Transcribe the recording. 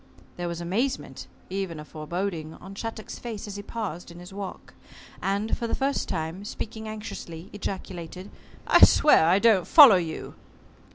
There was amazement even a foreboding on Shattuck's face as he paused in his walk, and, for the first time speaking anxiously ejaculated, "I swear I don't follow you!"